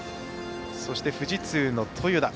そして、富士通の豊田。